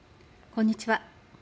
こんにちは。